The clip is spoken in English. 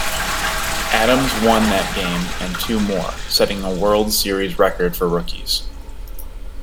Adams won that game and two more, setting a World Series record for rookies.